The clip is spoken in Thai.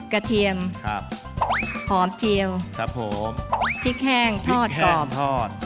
กระเทียมหอมเจียวพริกแห้งทอดกรอบ